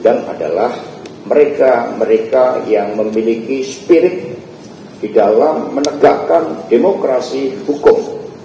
dan adalah mereka mereka yang memiliki spirit di dalam menegakkan demokrasi hukum